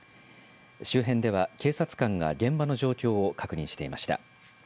周辺では警察官が現場の状況を確認していました。